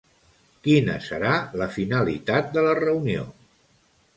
Quina serà la finalitat de la reunió?